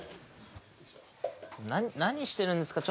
何してるんですか？